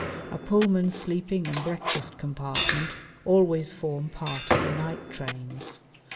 A Pullman sleeping and breakfast compartment always form part of the night trains.